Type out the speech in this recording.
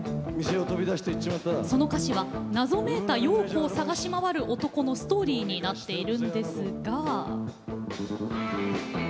その歌詞、その謎めいたヨーコを捜し回る男のストーリーになっているんですが。